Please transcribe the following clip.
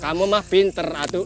kamu mah pinter atuk